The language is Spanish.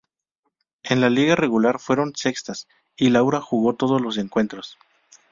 En la liga regular fueron sextas, y Laura jugó todos los encuentros.